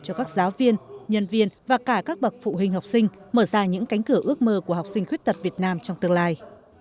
cho các giáo viên nhân viên và cả các bậc phụ huynh học sinh mở ra những cánh cửa ước mơ của học sinh khuyết tật việt nam trong tương lai